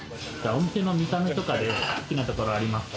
お店の見た目とかで好きなところありますか？